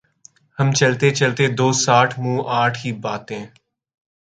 ہم چلتے چلتے دوسآٹھ منہ آٹھ ہی باتیں